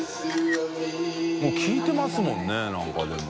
もう聞いてますもんねなんかでも。